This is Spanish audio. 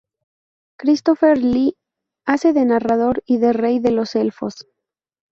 Christopher Lee hace de narrador y de rey de los elfos.